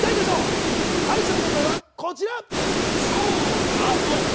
最初の問題はこちら。